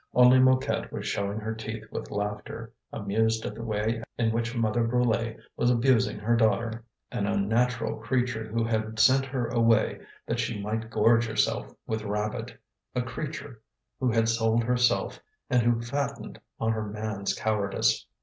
Only Mouquette was showing her teeth with laughter, amused at the way in which Mother Brulé was abusing her daughter, an unnatural creature who had sent her away that she might gorge herself with rabbit, a creature who had sold herself and who fattened on her man's cowardice.